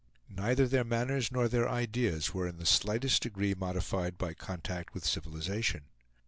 Neither their manners nor their ideas were in the slightest degree modified by contact with civilization.